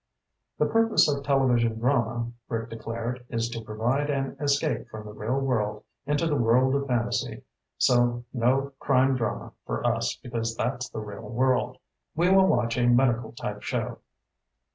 "The purpose of television drama," Rick declared, "is to provide an escape from the real world into the world of fantasy. So no crime drama for us because that's the real world. We will watch a medical type show."